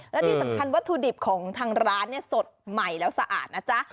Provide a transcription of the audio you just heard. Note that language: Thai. และที่สำคัญวัตถุดิบของทางร้านเนี่ยสดใหม่แล้วสะอาดนะจ๊ะ